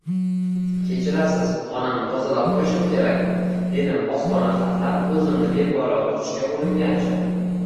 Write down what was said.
-Kechirasiz, xonani tozalab qo’yishim kerak, — dedim ostona xatlab o’zimni beparvo tutishga uringancha.